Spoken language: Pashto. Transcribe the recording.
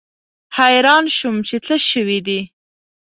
حیران شوم چې څه شوي دي.